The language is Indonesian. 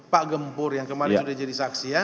pak gempur yang kemarin sudah jadi saksi ya